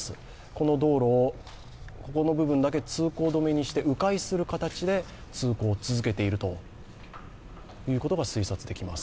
この道路、ここの部分だけ通行止めにして、う回する形で通行を続けているということが推察できます。